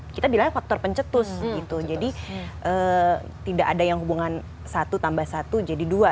kita bilangnya faktor pencetus gitu jadi tidak ada yang hubungan satu tambah satu jadi dua